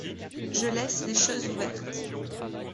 Je laisse les choses ouvertes.